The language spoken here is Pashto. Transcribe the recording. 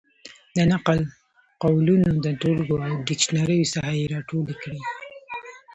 د نقل قولونو د ټولګو او ډکشنریو څخه یې را ټولې کړې.